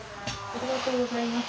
ありがとうございます。